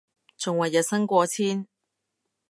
仲話日薪過千